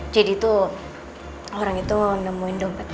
jadi tuh orang itu mau nemuin dompet aku